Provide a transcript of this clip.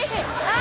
・あ！